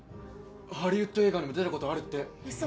ハリウッド映画にも出たことあるってウソ